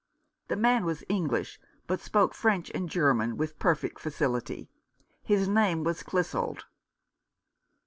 The man was English, but spoke French and German with perfect facility. His name was Clissold.